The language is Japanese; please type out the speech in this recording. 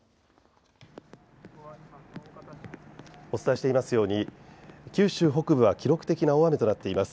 お伝えしていますように九州北部は記録的な大雨となっています。